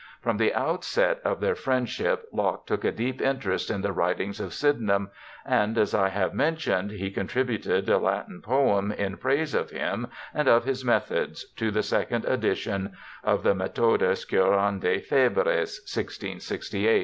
From the outset of their friendship Locke took a deep interest in the writings of Sydenham, and, as I have mentioned, he contributed a Latin poem in praise of him and of his methods to the second edition of the Mcthodus Ctirandi Febres (1668).